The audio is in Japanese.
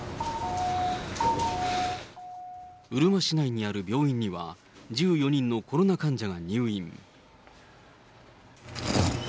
うるま市内にある病院には、１４人のコロナ患者が入院。